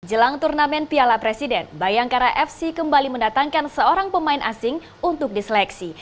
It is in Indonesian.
jelang turnamen piala presiden bayangkara fc kembali mendatangkan seorang pemain asing untuk diseleksi